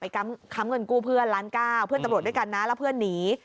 ค้ำเงินกู้เพื่อนล้านเก้าเพื่อนตำรวจด้วยกันนะแล้วเพื่อนหนี